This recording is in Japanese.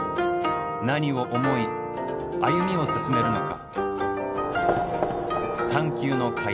何を思い歩みを進めるのか。